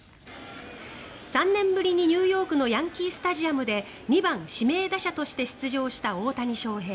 ３年ぶりにニューヨークのヤンキー・スタジアムで２番指名打者として出場した大谷翔平。